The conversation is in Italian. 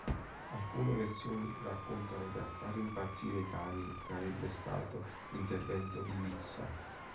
Alcune versioni raccontano che a far impazzire i cani sarebbe stato l'intervento di Lissa.